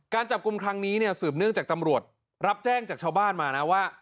การจับกลุ่มครั้งนี้เนี่ยสืบเนื่องจากตำรวจรับแจ้งจากชาวบ้านมานะว่า